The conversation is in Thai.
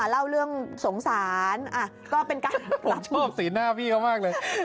เล่าเรื่องสงสารก็เป็นการรับผิดชอบสีหน้าพี่เขามากเลย